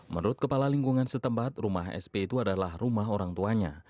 menurut kepala lingkungan setempat rumah sp itu adalah rumah orang tuanya